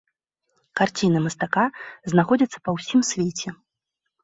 Карціны мастака знаходзяцца па ўсім свеце.